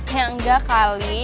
ya enggak kali